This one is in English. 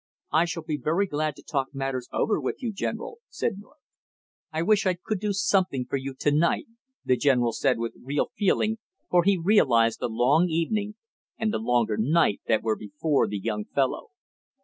"I shall be very glad to talk matters over with you, General," said North. "I wish I could do something for you to night!" the general said with real feeling, for he realized the long evening, and the longer night that were before the young fellow.